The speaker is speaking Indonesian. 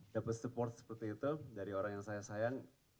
dapat support seperti itu dari orang yang saya sayang